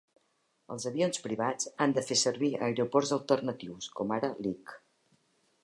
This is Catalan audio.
Els avions privats ha de fer servir aeroports alternatius com ara Lic.